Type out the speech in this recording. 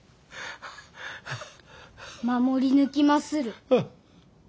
守り抜きまする。